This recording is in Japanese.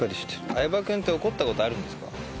相葉君って怒った事あるんですか？